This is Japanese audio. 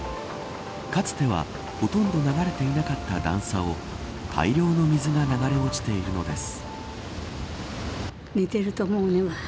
かつては、ほとんど流れていなかった段差を大量の水が流れ落ちているのです。